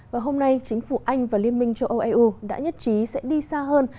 và hôm nay chính phủ anh và liên minh châu âu eu đã nhất trí sẽ đi xa hơn